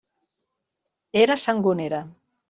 Era Sangonera.